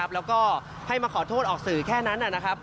แล้วก็ให้มาขอโทษออกสื่อแค่นั้นนะครับ